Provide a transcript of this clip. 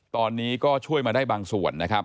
ตอนนี้ก็ช่วยมาได้บางส่วนนะครับ